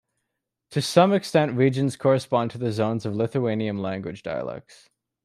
To some extent regions correspond to the zones of Lithuanian language dialects.